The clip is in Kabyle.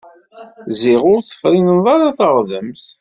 Ziɣ ur tefrineḍ ara taɣdemt.